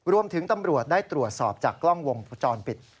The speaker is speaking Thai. ตำรวจได้ตรวจสอบจากกล้องวงจรปิด